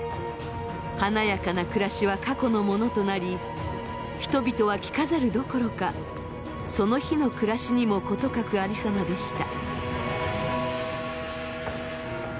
華やかな暮らしは過去のものとなり人々は着飾るどころかその日の暮らしにも事欠くありさまでした。